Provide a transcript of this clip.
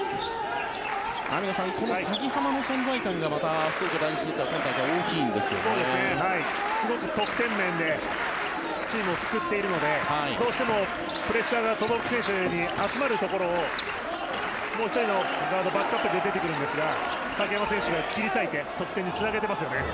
網野さん、この崎濱の存在感がまた福岡第一にはすごく得点面でチームを救っているのでどうしてもプレッシャーが轟選手に集まるところをもう１人のガードバックアップで出てくるんですが崎濱選手が切り裂いて得点につなげてますよね。